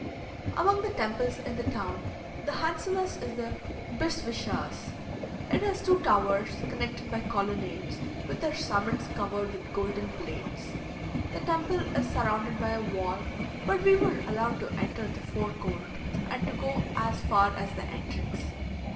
Among the temples in the town, the handsomest is the "Bisvishas:" it has two towers connected by colonnades, with their summits covered with golden plates. The temple is surrounded by a wall, but we were allowed to enter the fore court, and to go as far as the entrance.